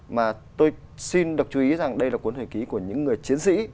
mà tôi xin đọc chú ý rằng đây là cuốn hồi ký của những người chiến sĩ